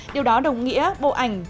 điều đó đồng nghĩa bộ ảnh